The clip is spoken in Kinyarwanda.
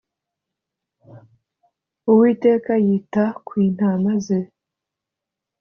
Uwiteka yita ku intama ze